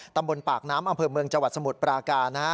ตำบลปากน้ำอำเภอเมืองจวัสสมุทรปรากา